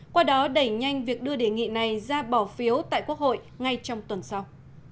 qua đó đẩy nhanh việc đưa đề nghị này ra bỏ phiếu tại quốc hội ngay trong tuần sau